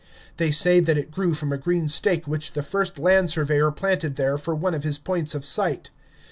They say that it grew from a green stake which the first land surveyor planted there for one of his points of sight.